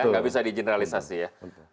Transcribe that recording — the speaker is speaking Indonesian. nggak bisa dijeneralisasi ya